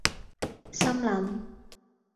心諗